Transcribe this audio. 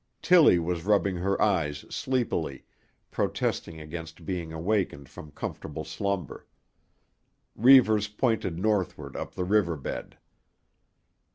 Tillie was rubbing her eyes sleepily, protesting against being wakened from comfortable slumber. Reivers pointed northward up the river bed.